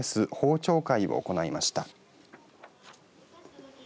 蝶会を行いました。